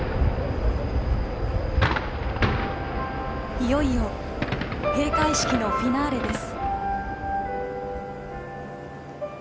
「いよいよ閉会式のフィナーレです」。